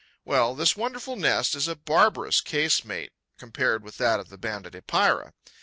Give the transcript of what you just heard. Well, this wonderful nest is a barbarous casemate compared with that of the Banded Epeira.